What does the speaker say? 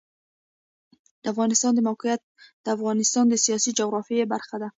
د افغانستان د موقعیت د افغانستان د سیاسي جغرافیه برخه ده.